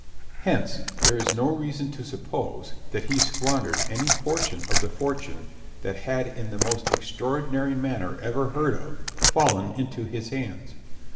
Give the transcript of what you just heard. Hence there is no reason to suppose that he squandered any portion of the fortune that had in the most extraordinary manner ever heard of fallen into his hands.